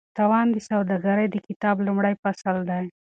تاوان د سوداګرۍ د کتاب لومړی فصل دی.